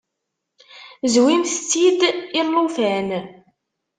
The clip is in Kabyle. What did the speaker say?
Zwimt-t-id i llufan.